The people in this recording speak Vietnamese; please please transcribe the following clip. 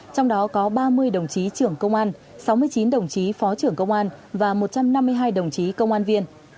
trong đó có ba mươi đồng chí trưởng công an sáu mươi chín đồng chí phó trưởng công an và một trăm năm mươi hai đồng chí công an viên